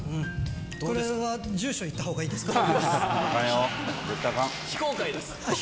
これは住所言ったほうがいいですか？